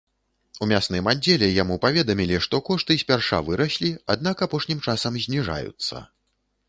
У мясным аддзеле яму паведамілі, што кошты спярша выраслі, аднак апошнім часам зніжаюцца.